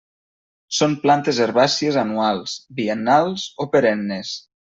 Són plantes herbàcies anuals, biennals o perennes.